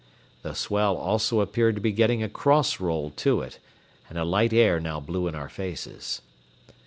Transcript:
The swell also appeared to be getting a cross roll to it, and a light air now blew in our faces.